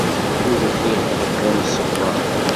Ur ufiɣ ḥedd d amṣebber.